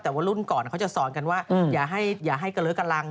แต่ว่ารุ่นก่อนเขาจะสอนกันว่าอย่าให้เกลอกำลัง